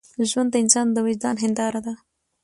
ژوند د انسان د وجدان هنداره ده.